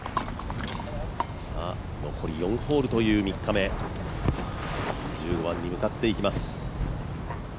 残り４ホールという３日目、１５番に向かっていきます。